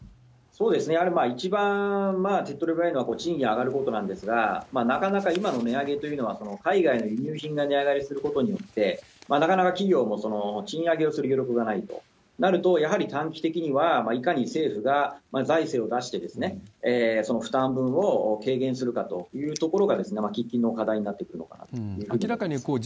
やはり一番手っ取り早いのは賃金上がることなんですが、なかなか今の値上げというのは、海外の輸入品が値上がりすることによって、なかなか企業も賃上げをする余力がないとなると、やはり短期的には、いかに政府が財政を出して、その負担分を軽減するかというところが喫緊の課題になってくるのかなというふうに思います。